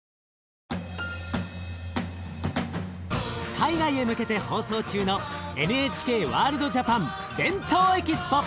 海外へ向けて放送中のＮＨＫワールドＪＡＰＡＮ「ＢＥＮＴＯＥＸＰＯ」！